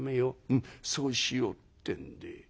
「うんそうしよう」ってんで。